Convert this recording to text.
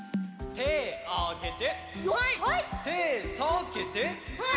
てあげて！